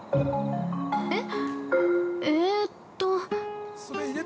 ◆えっ！？